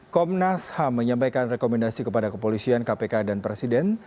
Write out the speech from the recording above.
komnas ham menyampaikan rekomendasi kepada kepolisian kpk dan presiden